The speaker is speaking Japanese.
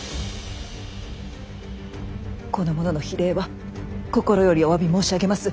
この者の非礼は心よりおわび申し上げます。